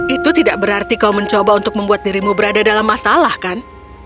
itu tidak berarti kau mencoba untuk membuat dirimu berada dalam masalah kan